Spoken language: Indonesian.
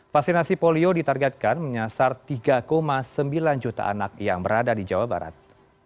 vaksinasi polio ditargetkan menyasar tiga sembilan juta anak yang berada di jawa barat